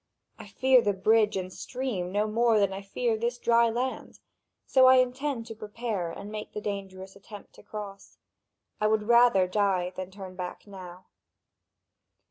I fear the bridge and stream no more than I fear this dry land; so I intend to prepare and make the dangerous attempt to cross. I would rather die than turn back now."